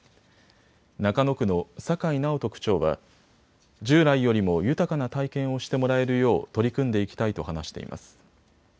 中野区の酒井直人区長は従来よりも豊かな体験をしてもらえるよう取り組んでいきたいと話しています。